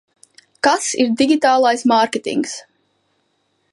Kas ir digitālais mārketings?